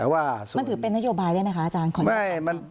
มันถือเป็นนโยบายได้ไหมคะอาจารย์